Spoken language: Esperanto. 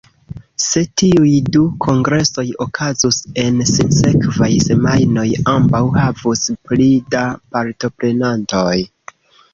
Se tiuj du kongresoj okazus en sinsekvaj semajnoj, ambaŭ havus pli da partoprenantoj.